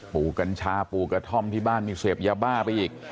กัญชาปลูกกระท่อมที่บ้านมีเสพยาบ้าไปอีก